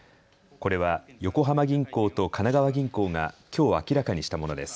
これは横浜銀行と神奈川銀行がきょう、明らかにしたものです。